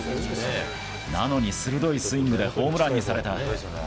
なのに鋭いスイングでホームランにされた。